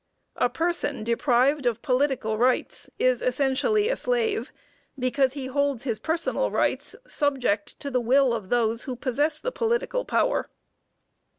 A person deprived of political rights is essentially a slave, because he holds his personal rights subject to the will of those who possess the political power.